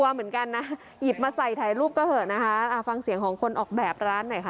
เหมือนกันนะหยิบมาใส่ถ่ายรูปก็เถอะนะคะอ่าฟังเสียงของคนออกแบบร้านหน่อยค่ะ